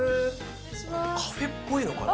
カフェっぽいのかな。